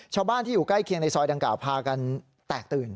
ชาวบ้านที่อยู่ใกล้เคียงในซอยดังกล่าวพากันแตกตื่น